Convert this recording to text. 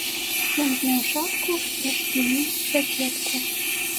Ён зняў шапку, расшпіліў жакетку.